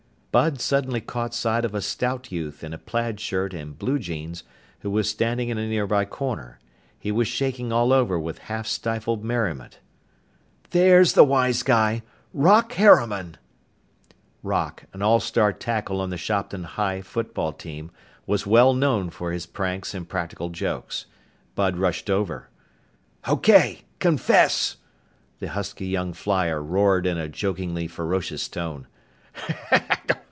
Bud suddenly caught sight of a stout youth in a plaid shirt and blue jeans, who was standing in a nearby corner. He was shaking all over with half stifled merriment. "There's the wise guy! Rock Harriman!" Rock, an all star tackle on the Shopton High football team, was well known for his pranks and practical jokes. Bud rushed over. "Okay! Confess!" the husky young flier roared in a jokingly ferocious tone.